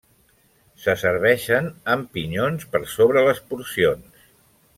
Se serveixen amb pinyons per sobre les porcions.